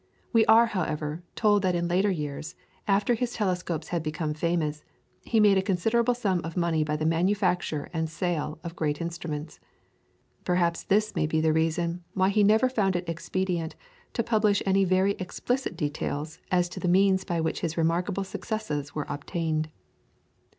We are however, told that in later years, after his telescopes had become famous, he made a considerable sum of money by the manufacture and sale of great instruments. Perhaps this may be the reason why he never found it expedient to publish any very explicit details as to the means by which his remarkable successes were obtained.